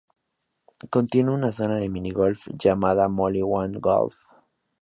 Contiene una zona de Mini golf llamada Mole-in-One Golf.